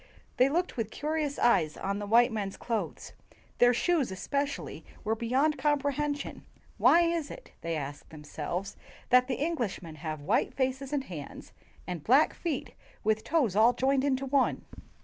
They looked with curious eyes on the white men's clothes; their shoes, especially, were beyond comprehen sion. "Why is it," they asked themselves, "that the Englishmen have white faces and hands and black feet with toes all joined into one?"